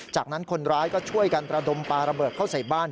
จากนั้นคนร้ายก็ช่วยกันระดมปลาระเบิดเข้าใส่บ้าน